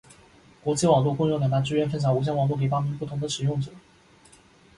网际网路共用最大支援分享无线网路给八名不同的使用者。